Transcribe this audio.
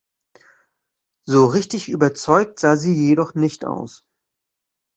So richtig überzeugt sah sie jedoch nicht aus.